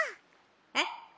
「えっ？」。